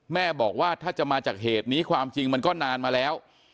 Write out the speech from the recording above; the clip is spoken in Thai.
แม่บอกว่าถ้าจะมาจากเหตุนี้ความจริงมันก็นานมาแล้ว